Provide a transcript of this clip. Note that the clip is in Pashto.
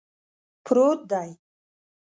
پروت دی